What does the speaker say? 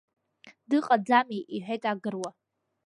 Дыҟаӡамеи, — иҳәеит агыруа.